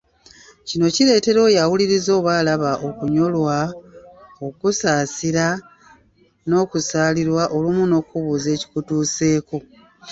Kino ne kireetera oyo awuliriza oba alaba okunyolwa, okusaasira, n’okusaalirwa olumu n’okubuuza ekikutuuseeko.